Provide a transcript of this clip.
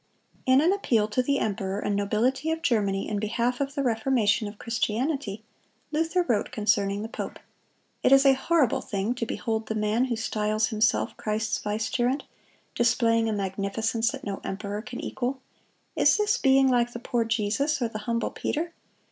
(188) In an appeal to the emperor and nobility of Germany in behalf of the Reformation of Christianity, Luther wrote concerning the pope: "It is a horrible thing to behold the man who styles himself Christ's vicegerent, displaying a magnificence that no emperor can equal. Is this being like the poor Jesus, or the humble Peter?